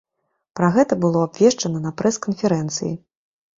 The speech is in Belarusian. Пра гэта было абвешчана на прэс-канферэнцыі.